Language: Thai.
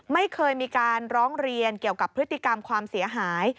ไม่เคยมีการร้องเรียนเกี่ยวกับพฤติกรรมความเสียหาย